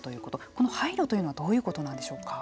この配慮というのはどういうことなんでしょうか。